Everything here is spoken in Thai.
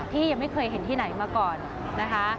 ที่ยังไม่เคยเห็นที่ไหนมาก่อนนะคะ